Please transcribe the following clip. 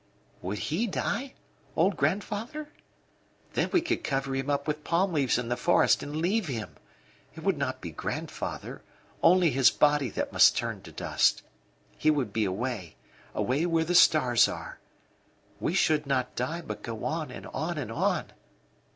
"Would he die old grandfather? Then we could cover him up with palm leaves in the forest and leave him. It would not be grandfather; only his body that must turn to dust. He would be away away where the stars are. We should not die, but go on, and on, and on."